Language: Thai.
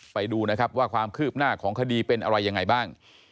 ไปดูนะครับว่าความคืบหน้าของคดีเป็นอะไรยังไงบ้าง